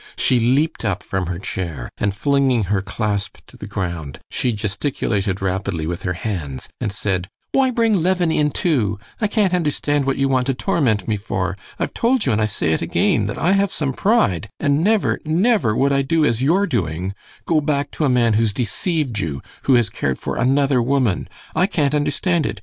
She leaped up from her chair, and flinging her clasp on the ground, she gesticulated rapidly with her hands and said: "Why bring Levin in too? I can't understand what you want to torment me for. I've told you, and I say it again, that I have some pride, and never, never would I do as you're doing—go back to a man who's deceived you, who has cared for another woman. I can't understand it!